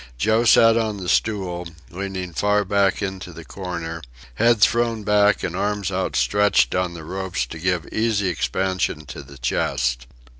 Joe sat on the stool, leaning far back into the corner, head thrown back and arms outstretched on the ropes to give easy expansion to the chest.